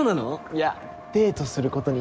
いやデートすることになった。